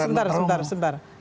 sebentar sebentar sebentar